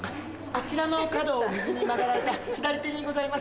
あちらの角を右に曲がられた左手にございます。